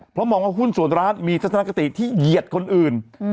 เพราะมองว่าหุ้นส่วนร้านมีทัศนคติที่เหยียดคนอื่น